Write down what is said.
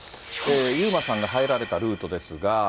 遊馬さんが入られたルートですが。